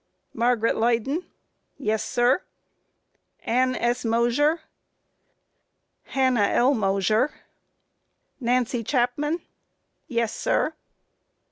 Q. Margaret Leyden? A. Yes, sir. Q. Ann S. Mosher? A. Hannah L. Mosher. Q. Nancy Chapman? A. Yes, sir.